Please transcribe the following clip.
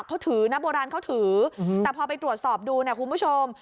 เขาถือนะโบราณเขาถือแต่พอไปตรวจสอบดูเนี่ยคุณผู้ชม